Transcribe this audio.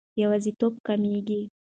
یوازیتوب کمېږي.